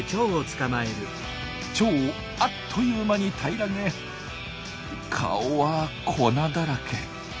チョウをあっという間に平らげ顔は粉だらけ。